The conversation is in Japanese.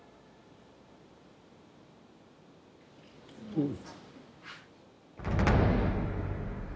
うん。